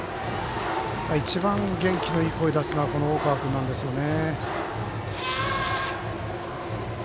一番元気のいい声を出すのは大川君なんですよね。